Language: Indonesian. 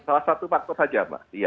salah satu faktor saja mbak